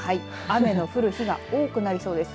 雨の降る日が多くなりそうです。